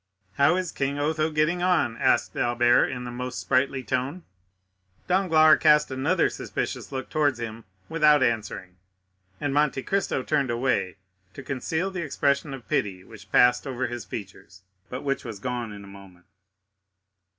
"How is King Otho getting on?" asked Albert in the most sprightly tone. Danglars cast another suspicious look towards him without answering, and Monte Cristo turned away to conceal the expression of pity which passed over his features, but which was gone in a moment.